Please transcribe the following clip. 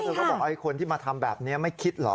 เขาบอกไอ้คนที่มาทำแบบนี้ไม่คิดเหรอ